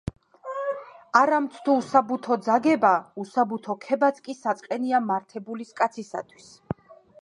„არამც თუ უსაბუთო ძაგება, უსაბუთო ქებაც კი საწყენია მართებულის კაცისათვის.“